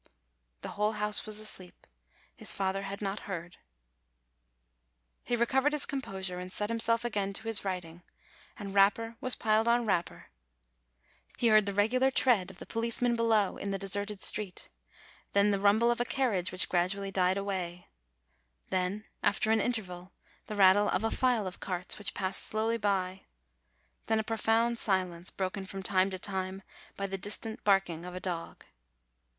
The whole house was asleep. His father had not heard. He recovered his composure, and set himself again to his writing, and wrapper was piled on wrapper. He heard the regular tread of the policeman below in the deserted street; then the rumble of a carriage which gradually died away; then, after an interval, the rattle of a file of carts, which passed slowly by; then a pro THE LITTLE FLORENTINE SCRIBE 79 found silence, broken from time to time by the distant barking of a dog.